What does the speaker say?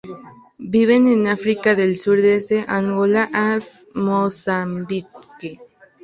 Viven en África del Sur, desde Angola a Mozambique.